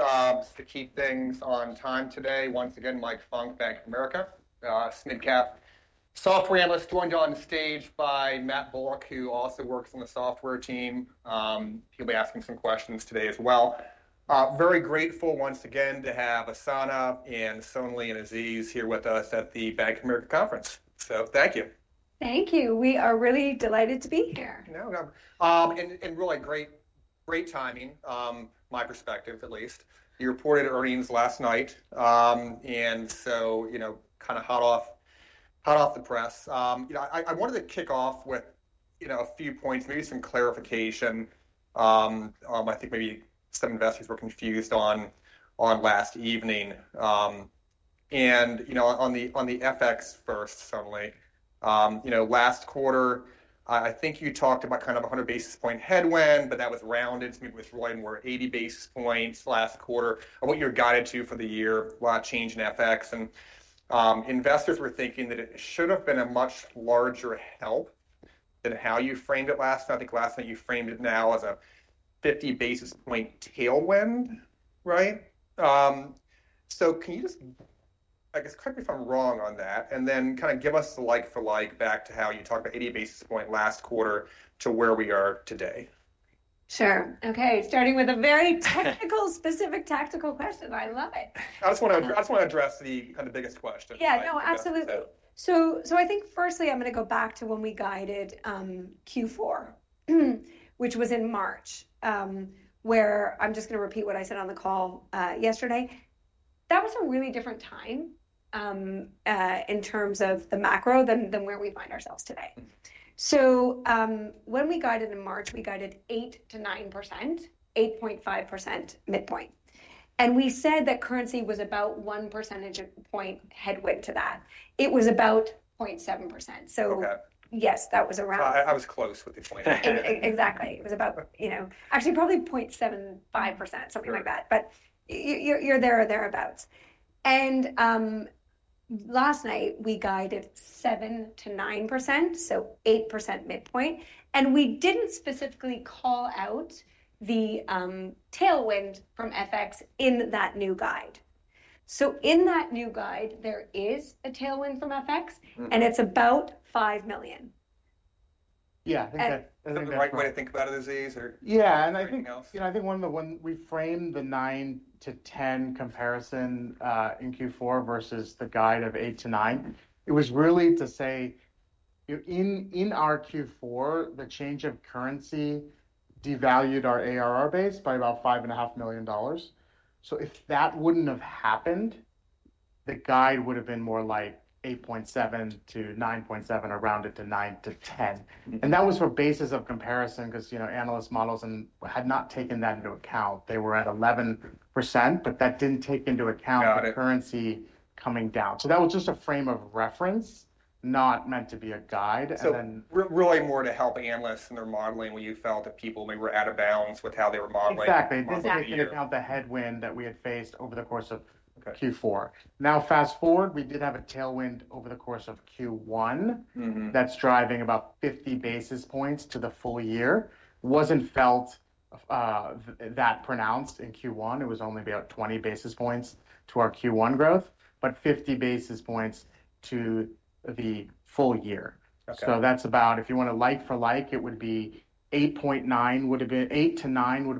Just to keep things on time today. Once again, Mike Funk, Bank of America, SNMCAP Software Analyst, joined on stage by Matt Bullock, who also works on the software team. He'll be asking some questions today as well. Very grateful once again to have Asana and Sonali and Aziz here with us at the Bank of America Conference. Thank you. Thank you. We are really delighted to be here. No, no. And really great, great timing, my perspective, at least. You reported earnings last night, and so, you know, kind of hot off, hot off the press. You know, I wanted to kick off with, you know, a few points, maybe some clarification. I think maybe some investors were confused on last evening. And, you know, on the FX first, Sonali, you know, last quarter, I think you talked about kind of a 100 basis point headwind, but that was rounded to maybe withdrawing more 80 basis points last quarter. And what you're guided to for the year, a lot of change in FX. And investors were thinking that it should have been a much larger help than how you framed it last time. I think last night you framed it now as a 50 basis point tailwind, right? Can you just, I guess, correct me if I'm wrong on that, and then kind of give us the like for like back to how you talked about 80 basis points last quarter to where we are today? Sure. Okay. Starting with a very technical, specific tactical question. I love it. I just want to, I just want to address the kind of biggest question. Yeah, no, absolutely. I think firstly I'm going to go back to when we guided Q4, which was in March, where I'm just going to repeat what I said on the call yesterday. That was a really different time in terms of the macro than where we find ourselves today. When we guided in March, we guided 8%-9%, 8.5% midpoint. We said that currency was about 1% headwind to that. It was about 0.7%. Yes, that was around. I was close with the point. Exactly. It was about, you know, actually probably 0.75%, something like that. But you're there or thereabouts. Last night we guided 7-9%, so 8% midpoint. We didn't specifically call out the tailwind from FX in that new guide. In that new guide, there is a tailwind from FX, and it's about $5 million. Yeah. I think that, I think the right way to think about it, Aziz, or. Yeah. I think, you know, I think when we framed the 9-10 comparison in Q4 versus the guide of 8-9, it was really to say, you know, in our Q4, the change of currency devalued our ARR base by about $5.5 million. If that would not have happened, the guide would have been more like 8.7-9.7, rounded to 9-10. That was for basis of comparison because, you know, analyst models had not taken that into account. They were at 11%, but that did not take into account the currency coming down. That was just a frame of reference, not meant to be a guide. Then. Really more to help analysts in their modeling when you felt that people maybe were out of bounds with how they were modeling. Exactly. This actually accounts for the headwind that we had faced over the course of Q4. Now, fast forward, we did have a tailwind over the course of Q1 that's driving about 50 basis points to the full year. It was not felt that pronounced in Q1. It was only about 20 basis points to our Q1 growth, but 50 basis points to the full year. If you want to like for like, it would be 8-9 would have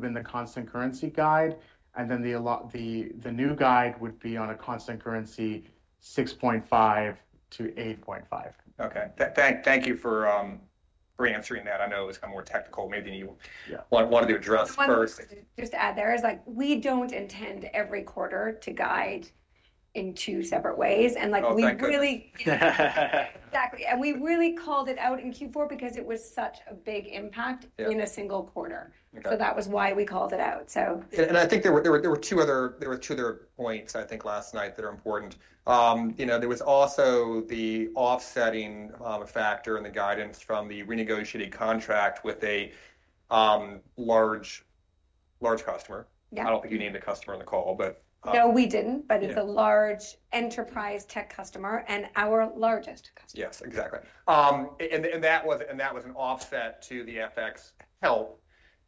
been the constant currency guide. The new guide would be on a constant currency 6.5-8.5. Okay. Thank you for answering that. I know it was kind of more technical. Maybe you wanted to address first. Just to add, there is like, we do not intend every quarter to guide in two separate ways. Like, we really, exactly. We really called it out in Q4 because it was such a big impact in a single quarter. That was why we called it out. I think there were two other points I think last night that are important. You know, there was also the offsetting factor in the guidance from the renegotiated contract with a large, large customer. I do not think you named the customer on the call, but. No, we didn't, but it's a large enterprise tech customer and our largest customer. Yes, exactly. That was an offset to the FX help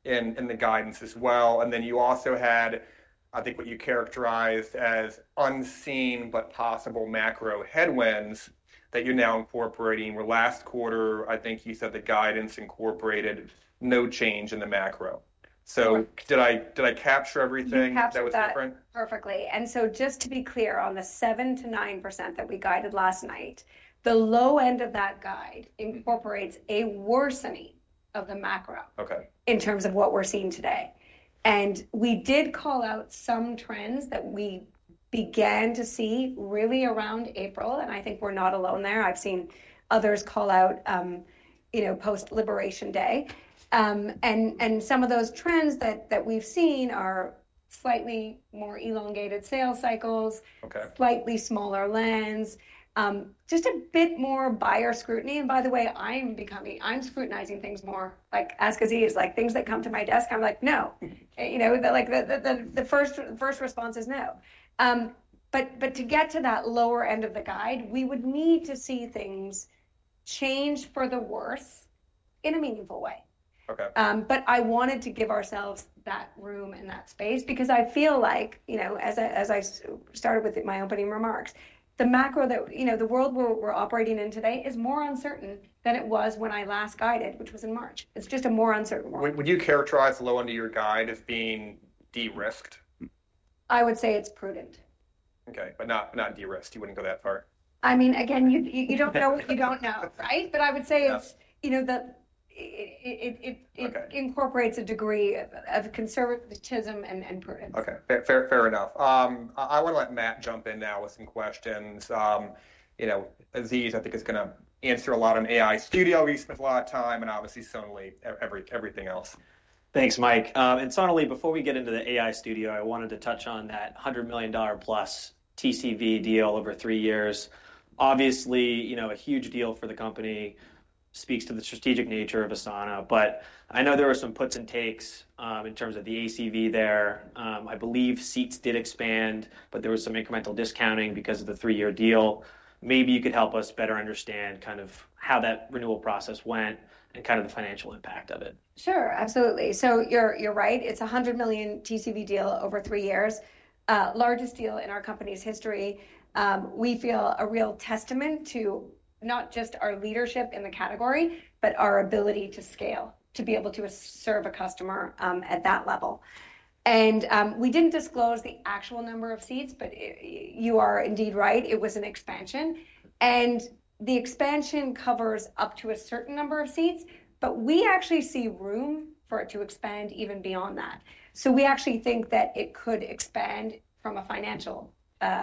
in the guidance as well. You also had, I think, what you characterized as unseen but possible macro headwinds that you're now incorporating where last quarter, I think you said the guidance incorporated no change in the macro. Did I capture everything? You captured that perfectly. Just to be clear on the 7-9% that we guided last night, the low end of that guide incorporates a worsening of the macro in terms of what we are seeing today. We did call out some trends that we began to see really around April. I think we are not alone there. I have seen others call out, you know, post-liberation day. Some of those trends that we have seen are slightly more elongated sales cycles, slightly smaller lens, just a bit more buyer scrutiny. By the way, I am becoming, I am scrutinizing things more, like ask Aziz, like things that come to my desk, I am like, no, you know, like the first response is no. To get to that lower end of the guide, we would need to see things change for the worse in a meaningful way. I wanted to give ourselves that room and that space because I feel like, you know, as I started with my opening remarks, the macro that, you know, the world we're operating in today is more uncertain than it was when I last guided, which was in March. It's just a more uncertain world. Would you characterize the low end of your guide as being de-risked? I would say it's prudent. Okay. Not, not de-risked. You wouldn't go that far. I mean, again, you don't know what you don't know, right? I would say it incorporates a degree of conservatism and prudence. Okay. Fair, fair, fair enough. I want to let Matt jump in now with some questions. You know, Aziz, I think is going to answer a lot on AI Studio. We spent a lot of time and obviously Sonali, everything else. Thanks, Mike. Sonali, before we get into the AI Studio, I wanted to touch on that $100 million plus TCV deal over three years. Obviously, you know, a huge deal for the company speaks to the strategic nature of Asana, but I know there were some puts and takes, in terms of the ACV there. I believe seats did expand, but there was some incremental discounting because of the three-year deal. Maybe you could help us better understand kind of how that renewal process went and kind of the financial impact of it. Sure. Absolutely. You're right. It's a $100 million TCV deal over three years, largest deal in our company's history. We feel a real testament to not just our leadership in the category, but our ability to scale, to be able to serve a customer at that level. We didn't disclose the actual number of seats, but you are indeed right. It was an expansion. The expansion covers up to a certain number of seats, but we actually see room for it to expand even beyond that. We actually think that it could expand from a financial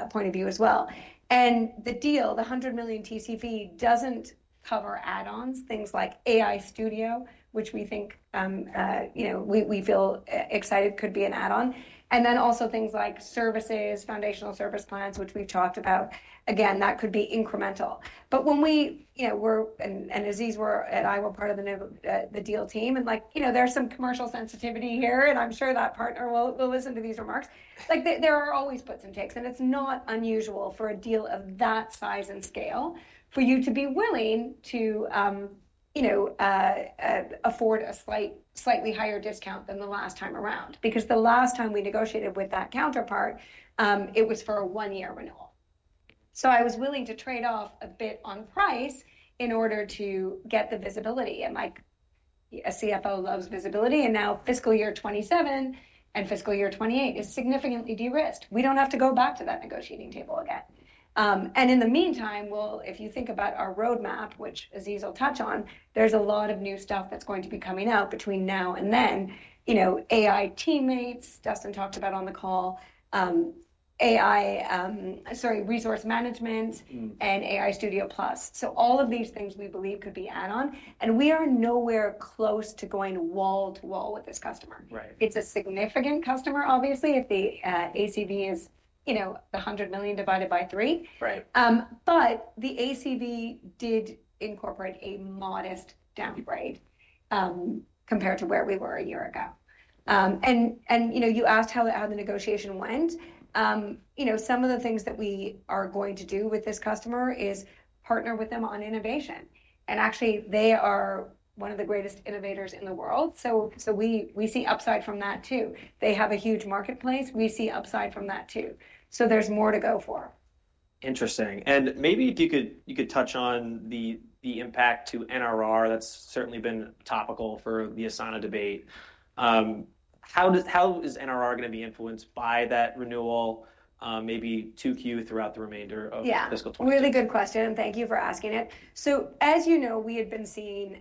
point of view as well. The deal, the $100 million TCV, doesn't cover add-ons, things like AI Studio, which we think, you know, we feel excited could be an add-on. Then also things like services, foundational service plans, which we've talked about, again, that could be incremental. When we, you know, Aziz and I were part of the deal team and, you know, there's some commercial sensitivity here and I'm sure that partner will listen to these remarks. There are always puts and takes and it's not unusual for a deal of that size and scale for you to be willing to afford a slightly higher discount than the last time around because the last time we negotiated with that counterpart, it was for a one-year renewal. I was willing to trade off a bit on price in order to get the visibility. A CFO loves visibility. Now fiscal year 2027 and fiscal year 2028 is significantly de-risked. We don't have to go back to that negotiating table again. In the meantime, if you think about our roadmap, which Aziz will touch on, there's a lot of new stuff that's going to be coming out between now and then, you know, AI Teammates, Dustin talked about on the call, AI, sorry, resource management and AI Studio Plus. All of these things we believe could be add-on. We are nowhere close to going wall to wall with this customer. It's a significant customer, obviously, if the ACV is, you know, the $100 million divided by three. The ACV did incorporate a modest downgrade, compared to where we were a year ago. You asked how the negotiation went. Some of the things that we are going to do with this customer is partner with them on innovation. They are one of the greatest innovators in the world. We see upside from that too. They have a huge marketplace. We see upside from that too. There is more to go for. Interesting. Maybe if you could, you could touch on the impact to NRR. That's certainly been topical for the Asana debate. How does, how is NRR going to be influenced by that renewal, maybe 2Q throughout the remainder of fiscal 2020? Yeah. Really good question. Thank you for asking it. As you know, we had been seeing,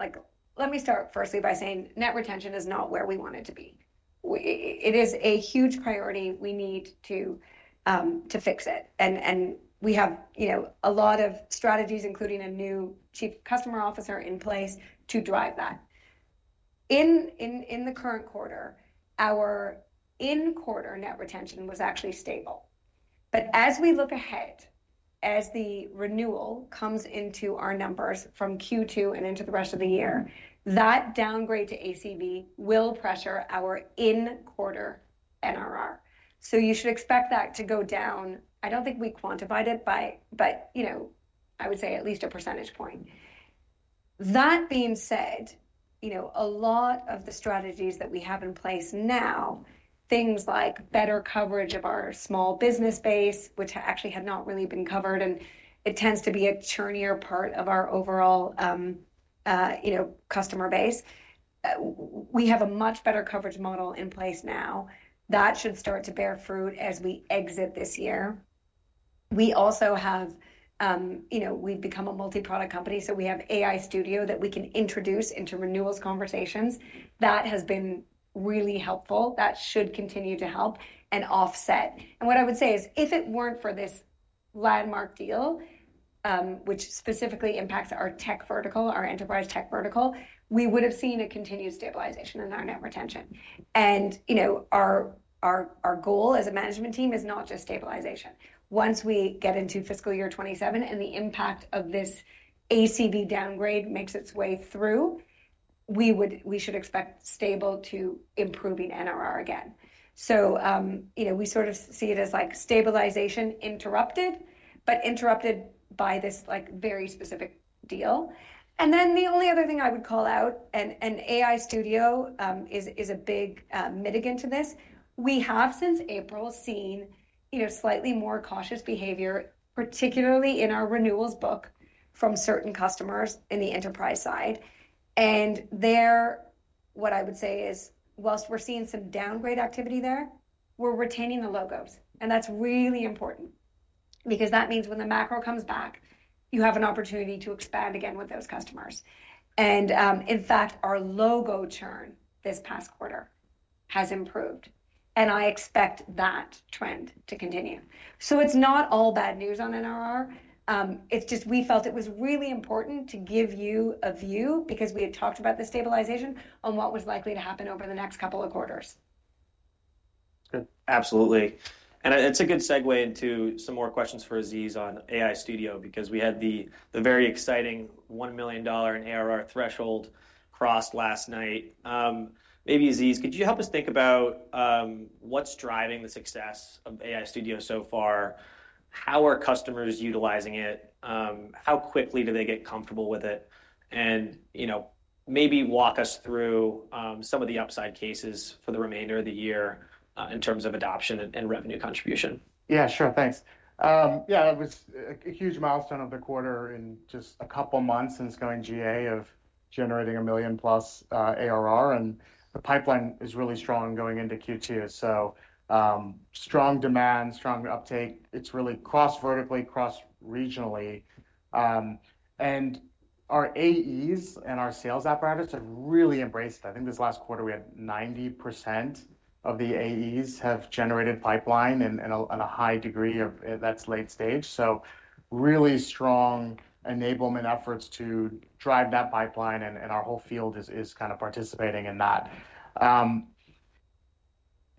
like, let me start firstly by saying net retention is not where we want it to be. It is a huge priority. We need to fix it. We have, you know, a lot of strategies, including a new Chief Customer Officer in place to drive that. In the current quarter, our in quarter net retention was actually stable. As we look ahead, as the renewal comes into our numbers from Q2 and into the rest of the year, that downgrade to ACV will pressure our in quarter NRR. You should expect that to go down. I do not think we quantified it, but, you know, I would say at least a percentage point. That being said, you know, a lot of the strategies that we have in place now, things like better coverage of our small business base, which actually had not really been covered. It tends to be a churnier part of our overall, you know, customer base. We have a much better coverage model in place now. That should start to bear fruit as we exit this year. We also have, you know, we've become a multi-product company. We have AI Studio that we can introduce into renewals conversations. That has been really helpful. That should continue to help and offset. What I would say is if it were not for this landmark deal, which specifically impacts our tech vertical, our enterprise tech vertical, we would have seen a continued stabilization in our net retention. You know, our goal as a management team is not just stabilization. Once we get into fiscal year 2027 and the impact of this ACV downgrade makes its way through, we should expect stable to improving NRR again. You know, we sort of see it as like stabilization interrupted, but interrupted by this very specific deal. The only other thing I would call out, and AI Studio is a big mitigant to this, we have since April seen slightly more cautious behavior, particularly in our renewals book from certain customers on the enterprise side. What I would say is whilst we are seeing some downgrade activity there, we are retaining the logos. That is really important because that means when the macro comes back, you have an opportunity to expand again with those customers. In fact, our logo churn this past quarter has improved. I expect that trend to continue. It is not all bad news on NRR. It is just we felt it was really important to give you a view because we had talked about the stabilization on what was likely to happen over the next couple of quarters. Good. Absolutely. It's a good segue into some more questions for Aziz on AI Studio because we had the very exciting $1 million in ARR threshold crossed last night. Maybe, Aziz, could you help us think about what's driving the success of AI Studio so far? How are customers utilizing it? How quickly do they get comfortable with it? You know, maybe walk us through some of the upside cases for the remainder of the year, in terms of adoption and revenue contribution. Yeah, sure. Thanks. Yeah, it was a huge milestone of the quarter in just a couple of months since going GA of generating a million plus ARR. And the pipeline is really strong going into Q2. Strong demand, strong uptake. It's really cross vertically, cross regionally, and our AEs and our sales operators have really embraced it. I think this last quarter we had 90% of the AEs have generated pipeline and a high degree of that's late stage. Really strong enablement efforts to drive that pipeline and our whole field is kind of participating in that.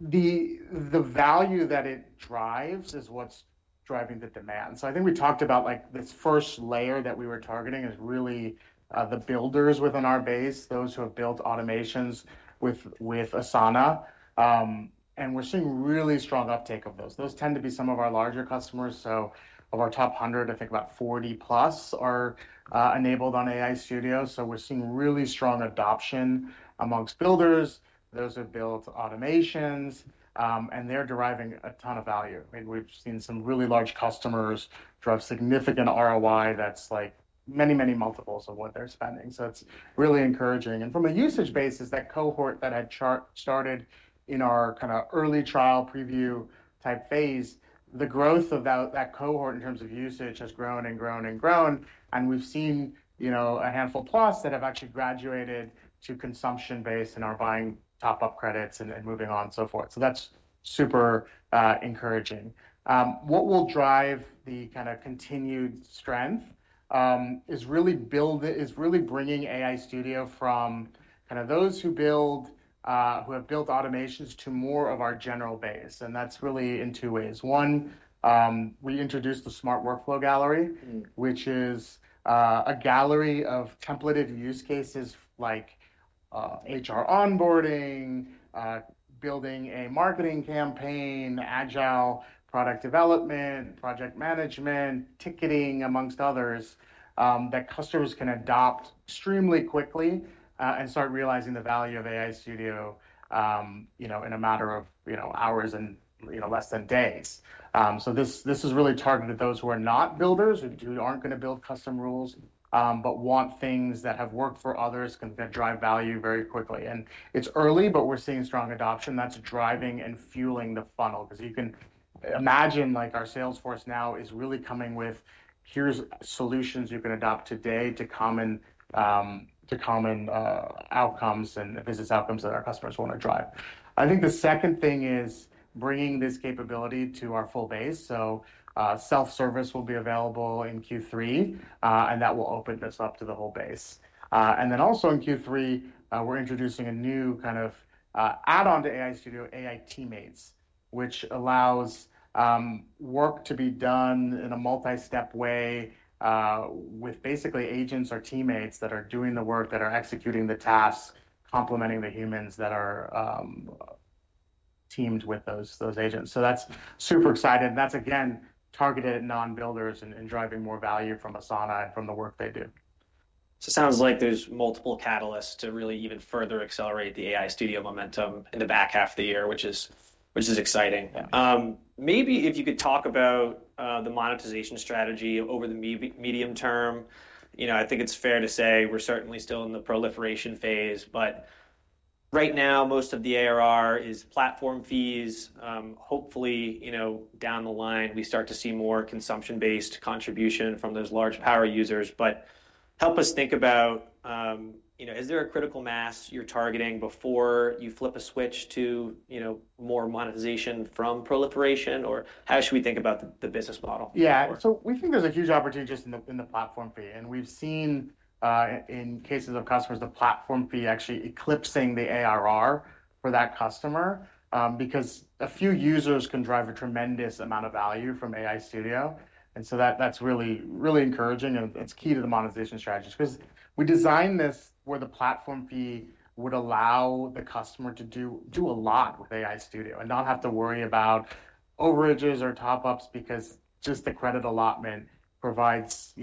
The value that it drives is what's driving the demand. I think we talked about like this first layer that we were targeting is really the builders within our base, those who have built automations with Asana. We're seeing really strong uptake of those. Those tend to be some of our larger customers. Of our top 100, I think about 40 plus are enabled on AI Studio. We're seeing really strong adoption amongst builders, those who have built automations, and they're deriving a ton of value. I mean, we've seen some really large customers drive significant ROI that's like many, many multiples of what they're spending. It's really encouraging. From a usage basis, that cohort that started in our kind of early trial preview type phase, the growth of that cohort in terms of usage has grown and grown and grown. We've seen, you know, a handful plus that have actually graduated to consumption base and are buying top-up credits and moving on and so forth. That's super encouraging. What will drive the kind of continued strength is really bringing AI Studio from kind of those who build, who have built automations, to more of our general base. That is really in two ways. One, we introduced the Smart Workflow Gallery, which is a gallery of templated use cases like HR onboarding, building a marketing campaign, agile product development, project management, ticketing, amongst others, that customers can adopt extremely quickly and start realizing the value of AI Studio, you know, in a matter of, you know, hours and, you know, less than days. This is really targeted to those who are not builders, who are not going to build custom rules, but want things that have worked for others that drive value very quickly. It is early, but we are seeing strong adoption that is driving and fueling the funnel. Because you can imagine like our sales force now is really coming with, here's solutions you can adopt today to common outcomes and business outcomes that our customers want to drive. I think the second thing is bringing this capability to our full base. Self-service will be available in Q3, and that will open this up to the whole base. Also in Q3, we're introducing a new kind of add-on to AI Studio, AI Teammates, which allows work to be done in a multi-step way, with basically agents or teammates that are doing the work, that are executing the tasks, complementing the humans that are teamed with those agents. That's super exciting. That's again, targeted at non-builders and driving more value from Asana and from the work they do. It sounds like there's multiple catalysts to really even further accelerate the AI Studio momentum in the back half of the year, which is exciting. Maybe if you could talk about the monetization strategy over the medium term, you know, I think it's fair to say we're certainly still in the proliferation phase, but right now most of the ARR is platform fees. Hopefully, you know, down the line we start to see more consumption-based contribution from those large power users. Help us think about, you know, is there a critical mass you're targeting before you flip a switch to more monetization from proliferation? Or how should we think about the business model? Yeah. We think there's a huge opportunity just in the platform fee. We've seen, in cases of customers, the platform fee actually eclipsing the ARR for that customer, because a few users can drive a tremendous amount of value from AI Studio. That's really, really encouraging. It's key to the monetization strategy because we designed this where the platform fee would allow the customer to do a lot with AI Studio and not have to worry about overages or top-ups because just the credit allotment provides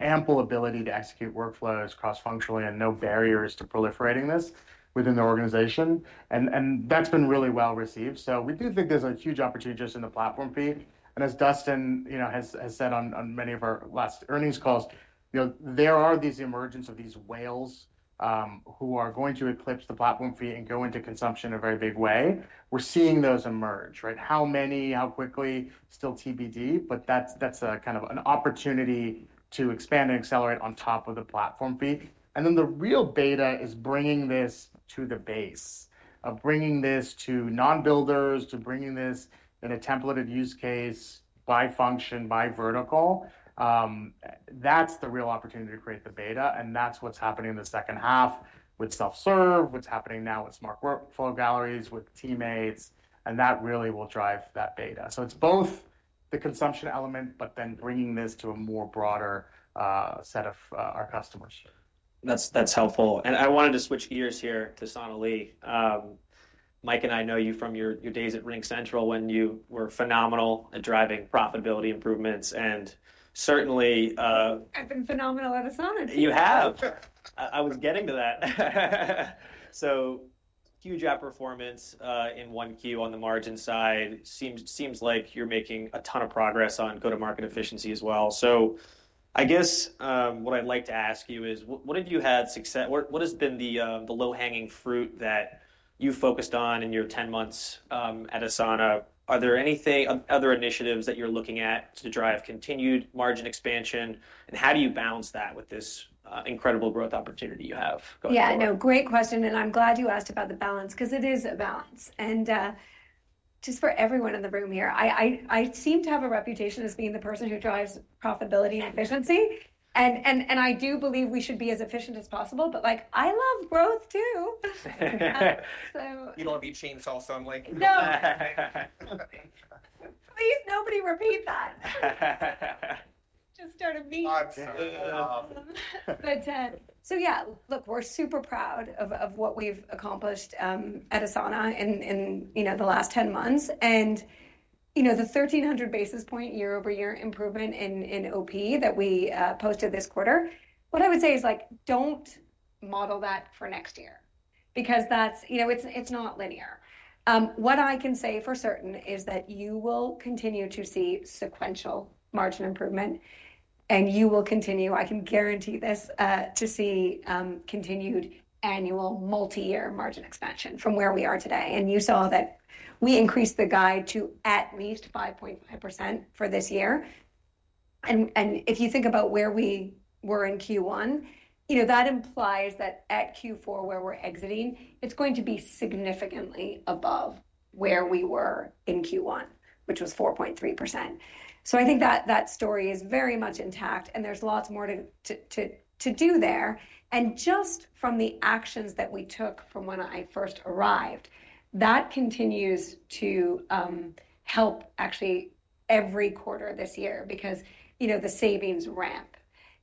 ample ability to execute workflows cross-functionally and no barriers to proliferating this within the organization. That's been really well received. We do think there's a huge opportunity just in the platform fee. As Dustin, you know, has said on many of our last earnings calls, there are these emergence of these whales, who are going to eclipse the platform fee and go into consumption in a very big way. We're seeing those emerge, right? How many, how quickly, still TBD, but that's a kind of an opportunity to expand and accelerate on top of the platform fee. The real beta is bringing this to the base, bringing this to non-builders, bringing this in a templated use case by function, by vertical. That's the real opportunity to create the beta. That's what's happening in the second half with self-serve, what's happening now with Smart Workflow Gallery, with Teammates. That really will drive that beta. It's both the consumption element, but then bringing this to a more broader set of our customers. That's helpful. I wanted to switch gears here to Sonali. Mike and I know you from your days at RingCentral when you were phenomenal at driving profitability improvements. Certainly. I've been phenomenal at Asana. You have. I was getting to that. Huge outperformance in 1Q on the margin side. Seems like you're making a ton of progress on go-to-market efficiency as well. I guess what I'd like to ask you is, what have you had success, what has been the low-hanging fruit that you focused on in your 10 months at Asana? Are there any other initiatives that you're looking at to drive continued margin expansion? How do you balance that with this incredible growth opportunity you have going forward? Yeah, no, great question. I'm glad you asked about the balance because it is a balance. Just for everyone in the room here, I seem to have a reputation as being the person who drives profitability and efficiency. I do believe we should be as efficient as possible, but like, I love growth too. You don't want to be chainsaw, so I'm like. No. Please nobody repeat that. Just start a meme. Awesome. Yeah, look, we're super proud of what we've accomplished at Asana in, you know, the last 10 months. And, you know, the 1,300 basis point year-over-year improvement in OP that we posted this quarter. What I would say is, like, don't model that for next year because that's, you know, it's not linear. What I can say for certain is that you will continue to see sequential margin improvement and you will continue, I can guarantee this, to see continued annual multi-year margin expansion from where we are today. You saw that we increased the guide to at least 5.5% for this year. And if you think about where we were in Q1, you know, that implies that at Q4 where we're exiting, it's going to be significantly above where we were in Q1, which was 4.3%. I think that that story is very much intact and there's lots more to do there. Just from the actions that we took from when I first arrived, that continues to help actually every quarter this year because, you know, the savings ramp.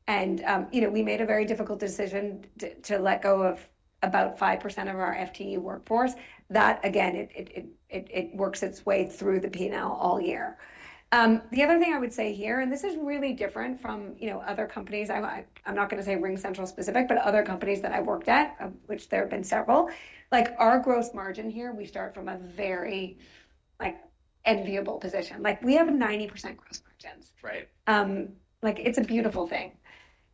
We made a very difficult decision to let go of about 5% of our FTE workforce. That again, it works its way through the P&L all year. The other thing I would say here, and this is really different from, you know, other companies, I'm not going to say RingCentral specific, but other companies that I've worked at, which there have been several, like our gross margin here, we start from a very enviable position. Like we have 90% gross margins. Right. Like, it's a beautiful thing.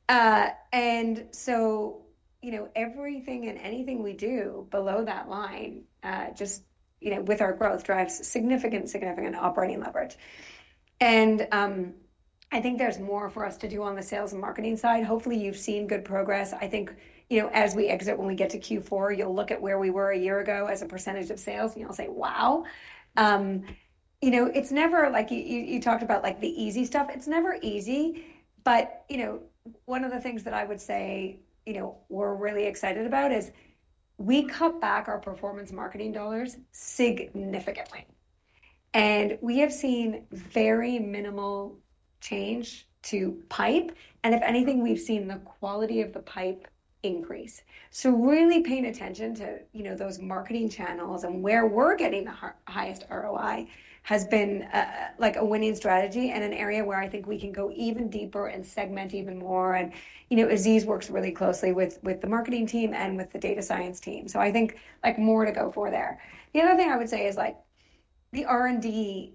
And so, you know, everything and anything we do below that line, just, you know, with our growth drives significant, significant operating leverage. I think there's more for us to do on the sales and marketing side. Hopefully you've seen good progress. I think, you know, as we exit, when we get to Q4, you'll look at where we were a year ago as a percentage of sales and you'll say, wow. You know, it's never like you, you talked about like the easy stuff. It's never easy. But, you know, one of the things that I would say, you know, we're really excited about is we cut back our performance marketing dollars significantly. We have seen very minimal change to pipe. If anything, we've seen the quality of the pipe increase. Really paying attention to, you know, those marketing channels and where we're getting the highest ROI has been, like, a winning strategy and an area where I think we can go even deeper and segment even more. You know, Aziz works really closely with the marketing team and with the data science team. I think, like, more to go for there. The other thing I would say is, like, the R&D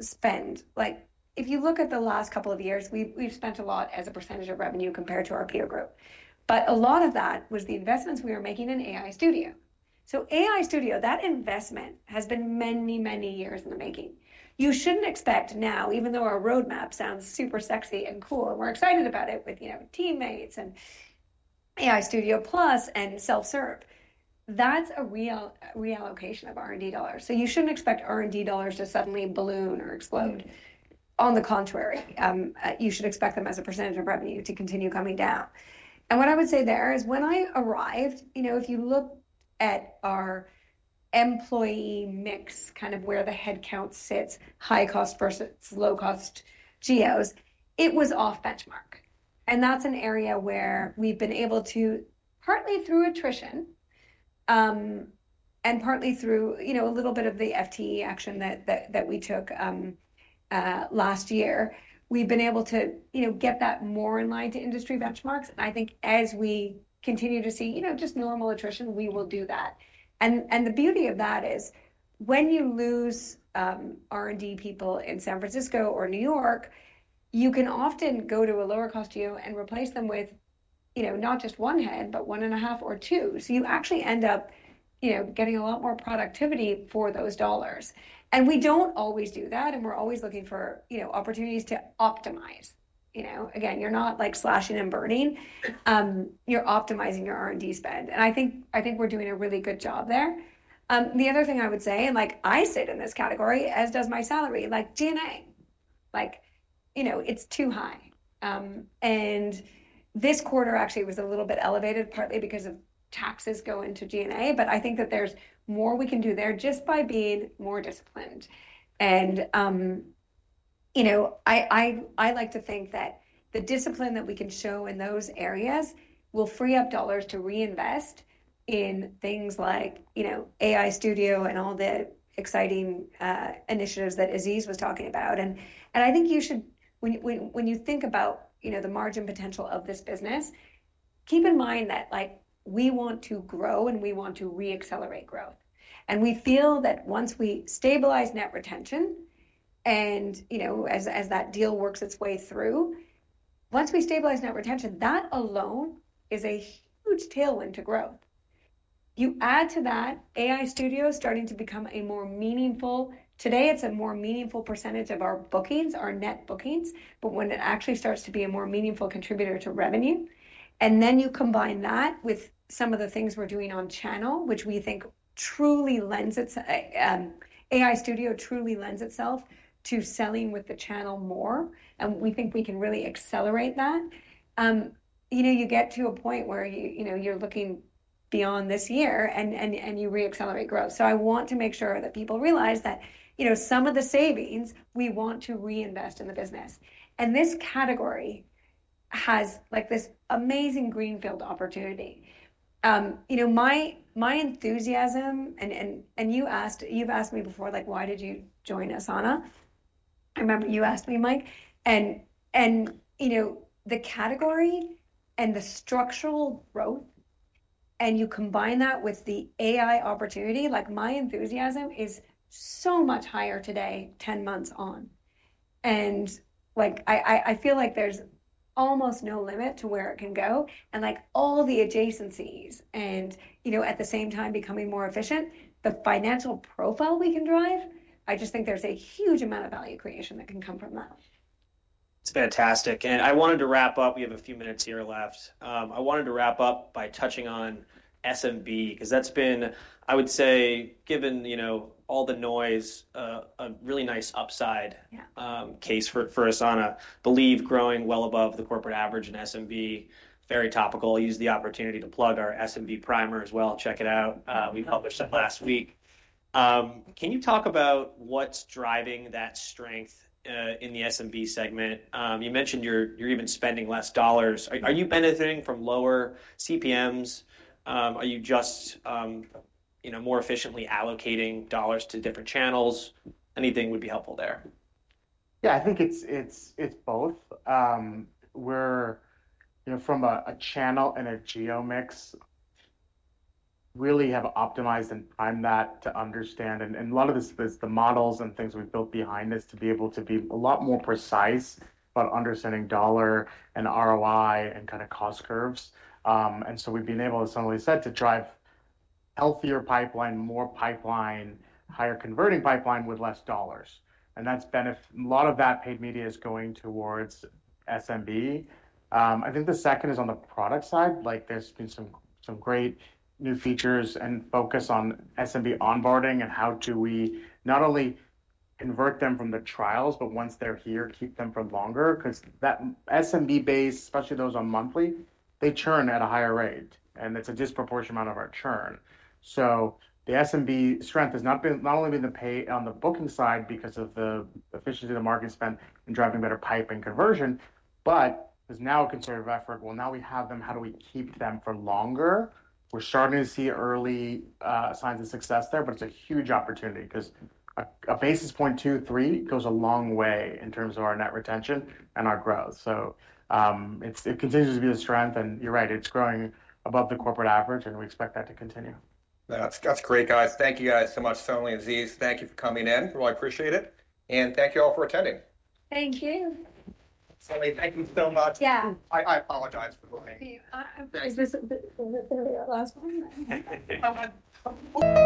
spend, like, if you look at the last couple of years, we've spent a lot as a percentage of revenue compared to our peer group, but a lot of that was the investments we were making in AI Studio. So AI Studio, that investment has been many, many years in the making. You shouldn't expect now, even though our roadmap sounds super sexy and cool and we're excited about it with, you know, teammates and AI Studio Plus and self-serve, that's a real reallocation of R&D dollars. You shouldn't expect R&D dollars to suddenly balloon or explode. On the contrary, you should expect them as a percentage of revenue to continue coming down. What I would say there is when I arrived, you know, if you look at our employee mix, kind of where the headcount sits, high cost versus low cost GOs, it was off benchmark. That's an area where we've been able to, partly through attrition and partly through, you know, a little bit of the FTE action that we took last year, we've been able to, you know, get that more in line to industry benchmarks. I think as we continue to see, you know, just normal attrition, we will do that. The beauty of that is when you lose R&D people in San Francisco or New York, you can often go to a lower cost geo and replace them with, you know, not just one head, but one and a half or two. You actually end up, you know, getting a lot more productivity for those dollars. We do not always do that, and we are always looking for, you know, opportunities to optimize. You know, again, you are not like slashing and burning, you are optimizing your R&D spend. I think we are doing a really good job there. The other thing I would say, and like I sit in this category, as does my salary, like G&A, like, you know, it is too high. This quarter actually was a little bit elevated, partly because of taxes going to G&A, but I think that there's more we can do there just by being more disciplined. You know, I like to think that the discipline that we can show in those areas will free up dollars to reinvest in things like, you know, AI Studio and all the exciting initiatives that Aziz was talking about. I think you should, when you think about, you know, the margin potential of this business, keep in mind that we want to grow and we want to re-accelerate growth. We feel that once we stabilize net retention and, you know, as that deal works its way through, once we stabilize net retention, that alone is a huge tailwind to growth. You add to that AI Studio starting to become more meaningful, today it's a more meaningful percentage of our bookings, our net bookings, but when it actually starts to be a more meaningful contributor to revenue. You combine that with some of the things we're doing on channel, which we think truly lends itself, AI Studio truly lends itself to selling with the channel more. We think we can really accelerate that. You know, you get to a point where you, you know, you're looking beyond this year and you re-accelerate growth. I want to make sure that people realize that some of the savings we want to reinvest in the business. This category has like this amazing greenfield opportunity. You know, my enthusiasm and you asked, you've asked me before, like, why did you join Asana? I remember you asked me, Mike. You know, the category and the structural growth and you combine that with the AI opportunity, like my enthusiasm is so much higher today, 10 months on. I feel like there's almost no limit to where it can go. Like all the adjacencies and, you know, at the same time becoming more efficient, the financial profile we can drive, I just think there's a huge amount of value creation that can come from that. It's fantastic. I wanted to wrap up, we have a few minutes here left. I wanted to wrap up by touching on SMB because that's been, I would say, given, you know, all the noise, a really nice upside case for Asana, believe growing well above the corporate average in SMB, very topical. I'll use the opportunity to plug our SMB primer as well. Check it out. We published that last week. Can you talk about what's driving that strength in the SMB segment? You mentioned you're even spending less dollars. Are you benefiting from lower CPMs? Are you just, you know, more efficiently allocating dollars to different channels? Anything would be helpful there. Yeah, I think it's both. We're, you know, from a channel and a geo mix, really have optimized and timed that to understand. And a lot of this is the models and things we've built behind this to be able to be a lot more precise about understanding dollar and ROI and kind of cost curves. And so we've been able, as Sonali said, to drive healthier pipeline, more pipeline, higher converting pipeline with less dollars. And that's benefit. A lot of that paid media is going towards SMB. I think the second is on the product side. Like there's been some great new features and focus on SMB onboarding and how do we not only convert them from the trials, but once they're here, keep them for longer because that SMB base, especially those on monthly, they churn at a higher rate and it's a disproportionate amount of our churn. The SMB strength has not only been the pay on the booking side because of the efficiency of the market spend and driving better pipe and conversion, but there's now a concerted effort. Now we have them, how do we keep them for longer? We're starting to see early signs of success there, but it's a huge opportunity because a basis point two, three goes a long way in terms of our net retention and our growth. It continues to be a strength and you're right, it's growing above the corporate average and we expect that to continue. That's great, guys. Thank you guys so much, Sonali and Aziz. Thank you for coming in. I appreciate it. Thank you all for attending. Thank you. Sonali, thank you so much. Yeah. I apologize for the delay. Okay. Is this the last one?